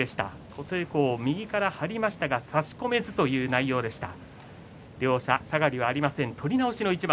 琴恵光は右から張りましたが差し込めずという内容でした。